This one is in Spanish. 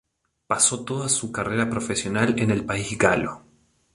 Pasó toda su carrera profesional en el país galo.